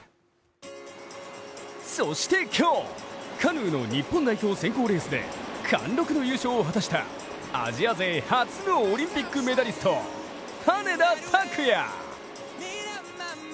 そして今日、カヌーの日本代表選考レースで貫禄の優勝を果たしたアジア勢初のオリンピックメダリスト、羽根田卓也。